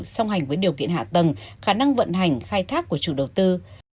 song hành với điều kiện hạ tầng khả năng vận hành khai thác của chủ đầu tư